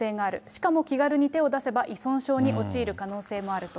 しかも気軽に手を出せば依存症に陥る可能性もあると。